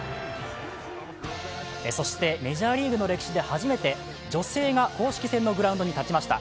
そしてメジャーリーグの歴史で初めて女性が公式戦のグラウンドに立ちました。